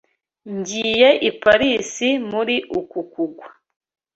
Ngiye i Paris muri uku kugwa.